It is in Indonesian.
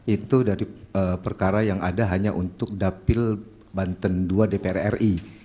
itu dari perkara yang ada hanya untuk dapil banten dua dpr ri